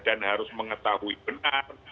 dan harus mengetahui benar